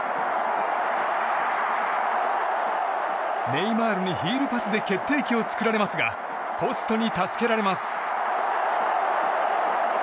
ネイマールにヒールパスで決定機を作られますがポストに助けられます。